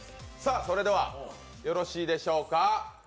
それではよろしいでしょうか。